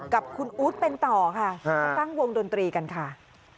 กับคุณอู๊ดเป็นต่อค่ะตั้งวงดนตรีกันค่ะ